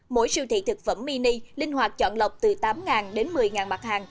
mỗi siêu thị thực phẩm mini linh hoạt chọn lọc từ tám đến một mươi mặt hàng